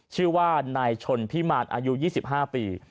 ชื่อว่านายชนพิมัติอายุยี่สิบห้าปี